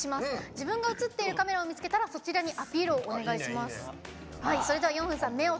自分が映っているカメラを見つけたらそちらにアピールをお願いします。